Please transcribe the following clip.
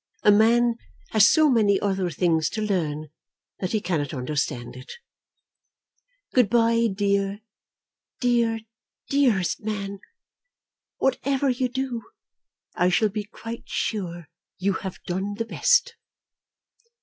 A man has so many other things to learn that he cannot understand it. Good bye, dear, dear, dearest man. Whatever you do I shall be quite sure you have done the best.